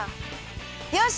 よし！